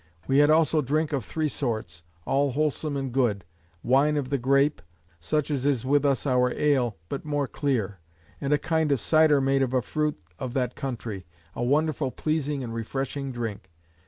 We had also drink of three sorts, all wholesome and good; wine of the grape; a drink of grain, such as is with us our ale, but more clear: And a kind of cider made of a fruit of that country; a wonderful pleasing and refreshing drink.